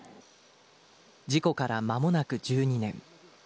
事故からまもなく１２年。